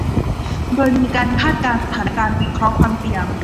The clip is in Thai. โดยมีการคาดการณ์สถานการณ์ วิเคราะห์ความเสี่ยง